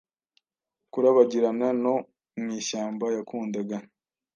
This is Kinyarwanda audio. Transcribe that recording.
Kurabagirana no mwishyamba yakundaga